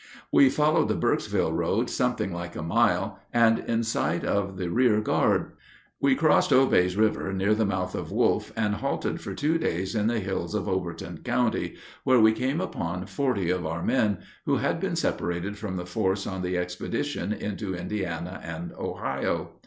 We followed the Burkesville road something like a mile, and in sight of the rear guard. We crossed Obey's River near the mouth of Wolf, and halted for two days in the hills of Overton County, where we came upon forty of our men, who had been separated from the force on the expedition into Indiana and Ohio.